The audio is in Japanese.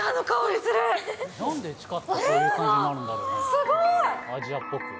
すごーい！